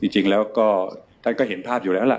จริงแล้วก็ท่านก็เห็นภาพอยู่แล้วล่ะ